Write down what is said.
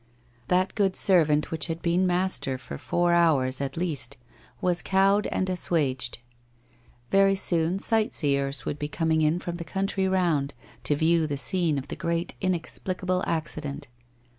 That good servant which had been master for four hours, at least, was cowed and assuaged. Very soon sightseers would be coming in from the country round to view the scene of the great inexplicable accident.